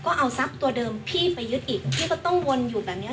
ก็เอาทรัพย์ตัวเดิมพี่ไปยึดอีกพี่ก็ต้องวนอยู่แบบเนี้ย